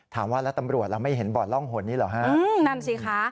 ถามว่าแล้วตำรวจเราไม่เห็นบ่อนร่องหนิดหรือฮะ